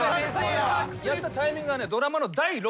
やったタイミングが。